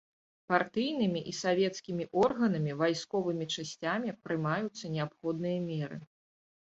Партыйнымі і савецкімі органамі, вайсковымі часцямі прымаюцца неабходныя меры.